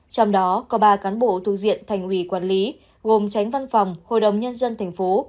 trong đó có ba cán bộ thuộc diện thành ủy quản lý gồm tránh văn phòng hội đồng nhân dân thành phố